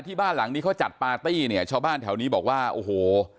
บ้านหลังนี้เขาจัดปาร์ตี้เนี่ยชาวบ้านแถวนี้บอกว่าโอ้โห